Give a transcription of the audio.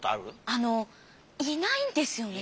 あのいないんですよね。